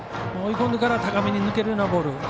追い込んでから高めに抜けるようなボール